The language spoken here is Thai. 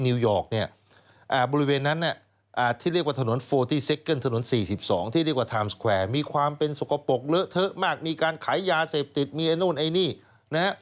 นิวยอร์กเนี่ยบริเวณนั้นที่เรียกว่าถนน๔๒ถนน๔๒ที่เรียกว่าไทม์สแควร์มีความเป็นสกปรกเลอะเทอะมากมีการขายยาเสพติดมีนู้นไอ้นี่นะฮะ